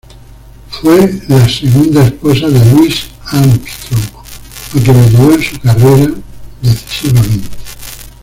Fue la segunda esposa de Louis Armstrong, a quien ayudó en su carrera decisivamente.